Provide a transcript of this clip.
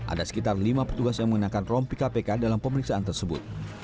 ada sekitar lima petugas yang mengenakan rompi kpk dalam pemeriksaan tersebut